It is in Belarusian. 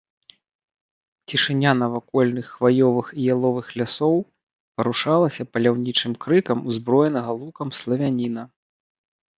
Цішыня навакольных хваёвых і яловых лясоў парушалася паляўнічым крыкам узброенага лукам славяніна.